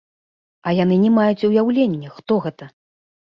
А яны не маюць уяўлення, хто гэта!